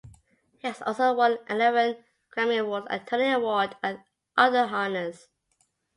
He has also won eleven Grammy Awards, a Tony Award and other honors.